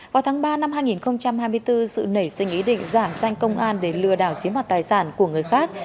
vào tháng ba năm hai nghìn hai mươi bốn sự nảy sinh ý định giảng sanh công an để lừa đảo chiếm đoạt tài sản của người khác